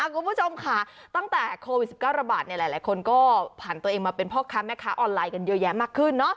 คุณผู้ชมค่ะตั้งแต่โควิด๑๙ระบาดหลายคนก็ผ่านตัวเองมาเป็นพ่อค้าแม่ค้าออนไลน์กันเยอะแยะมากขึ้น